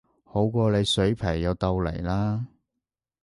好過你水皮又豆泥啦